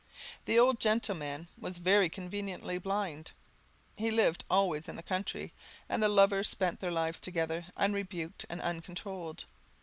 The old gentleman was very conveniently blind; he lived always in the country, and the lovers spent their lives together, unrebuked and uncontrolled.